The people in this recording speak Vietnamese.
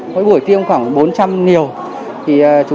mỗi buổi tiêm khoảng bốn trăm linh nhiều